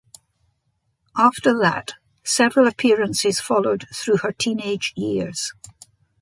After that, several appearances followed through her teenage years.